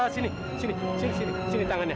sini sini sini tangannya